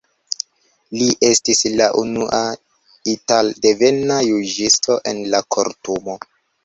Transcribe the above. Li estis la unua italdevena juĝisto en la Kortumo.